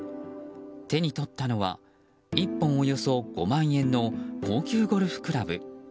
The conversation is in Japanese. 手に取ったのは１本およそ５万円の高級ゴルフクラブ。